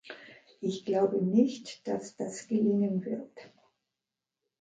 Ich glaube nicht, dass das gelingen wird.